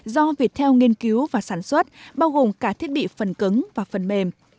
do việt theo nghiên cứu và sản xuất bao gồm cả thiết bị phần cứng và phần mềm